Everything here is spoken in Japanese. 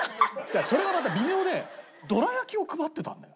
それがまた微妙でどら焼きを配ってたのよ。